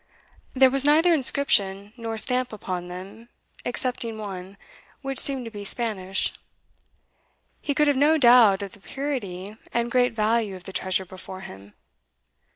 There was neither inscription nor stamp upon them, excepting one, which seemed to be Spanish. He could have no doubt of the purity and great value of the treasure before him.